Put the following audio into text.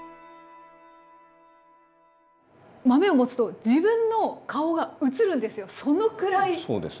豆を持つと自分の顔が映るんですよ。